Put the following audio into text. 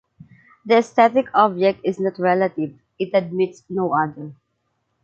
The aesthetic object is not relative. It admits no other.